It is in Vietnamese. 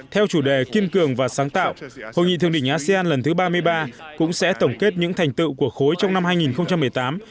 theo chủ đề kiên cường và sáng tạo hội nghị thượng đỉnh asean lần thứ ba mươi ba cũng sẽ tổng kết những thành tựu của khối trong năm hai nghìn một mươi tám